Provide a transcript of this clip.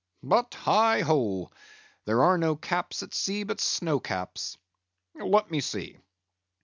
But heigh ho! there are no caps at sea but snow caps. Let me see.